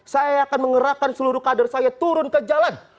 saya akan mengerahkan seluruh kader saya turun ke jalan